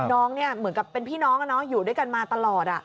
น้องเนี่ยเหมือนกับเป็นพี่น้องอยู่ด้วยกันมาตลอด